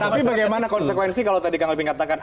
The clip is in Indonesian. tapi bagaimana konsekuensi kalau tadi kang albi katakan